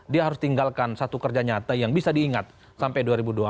dia harus tinggalkan satu kerja nyata yang bisa diingat sampai dua ribu dua puluh empat